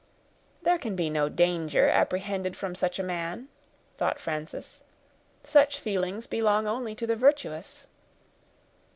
There can be no danger apprehended from such a man, thought Frances; such feelings belong only to the virtuous.